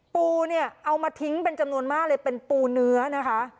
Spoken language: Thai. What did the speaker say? ปูเนี่ยเอามาทิ้งเป็นจำนวนมากเลยเป็นปูเนื้อนะคะ